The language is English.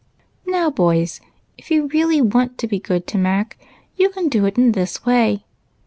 " Now, boys, if you really want to be good to Mac, you can do it in this way.